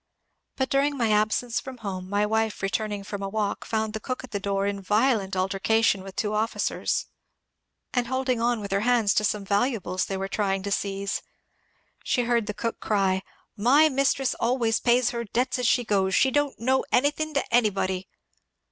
But during my absence from home, my wife returning from a walk found the cook at the door in violent altercation with two officers, and holding on with her hands 374 MONCURE DANIEL CONWAY to some valuables they were trying to seize. She heard the cook cry, ^' My mistress always pays her debts as she goes ; she don't owe anything to anybody."